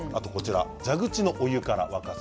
蛇口のお湯から沸かす。